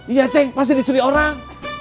iya ceng pasti dicuri orang